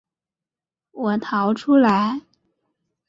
我逃出来